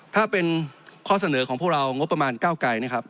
ถ้าเป็นข้อเสนอของพวกเรางบประมาณ๙ก่าย